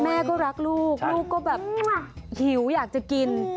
แม่ก็รักลูกลูกก็แบบหิวอยากจะกิน